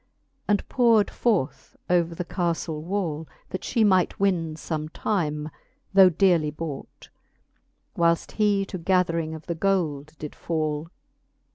And powred forth upon the caflle wall, That fhe might win fbm*e time, though dearly bought, Whileft he to gathering of the gold did fall.